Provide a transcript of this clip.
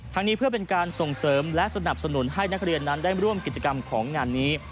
นี้เพื่อเป็นการส่งเสริมและสนับสนุนให้นักเรียนนั้นได้ร่วมกิจกรรมของงานนี้